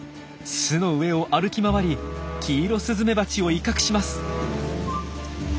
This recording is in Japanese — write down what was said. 巣の上を歩き回りキイロスズメバチを威嚇します。